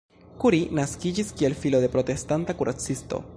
Curie naskiĝis kiel filo de protestanta kuracisto.